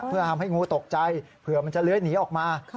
เพื่อทำให้งูตกใจเผื่อมันจะเลื้อยหนีออกมา